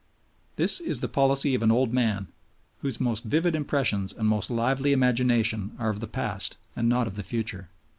This is the policy of an old man, whose most vivid impressions and most lively imagination are of the past and not of the future.